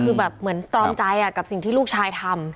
คือแบบเหมือนตรอมใจกับสิ่งที่ลูกชายทำ